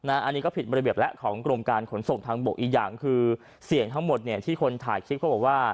อันนี้ก็ผิดระเบียบแล้วของกรมการขนส่งทางบกอีกอย่างคือเสี่ยงทั้งหมดที่คนถ่ายคลิปเขาบอกว่า